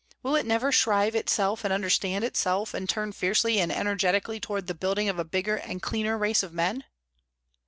Will it never shrive itself and understand itself, and turn fiercely and energetically toward the building of a bigger and cleaner race of men?"